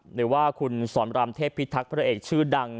หรือว่าคุณสอนรามเทพพิทักษ์พระเอกชื่อดัง